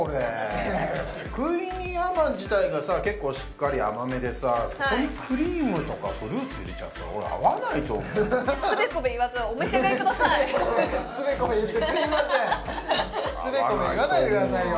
クイニーアマン自体がさ結構しっかり甘めでさそこにクリームとかフルーツ入れちゃったら俺合わないと思うつべこべつべこべ言ってすみませんつべこべ言わないでくださいよ